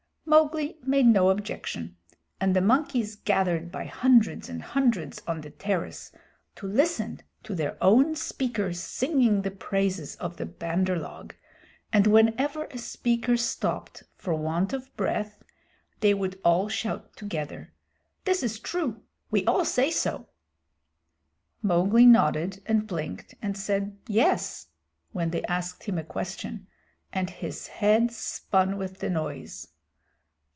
Mowgli made no objection, and the monkeys gathered by hundreds and hundreds on the terrace to listen to their own speakers singing the praises of the Bandar log, and whenever a speaker stopped for want of breath they would all shout together: "This is true; we all say so." Mowgli nodded and blinked, and said "Yes" when they asked him a question, and his head spun with the noise.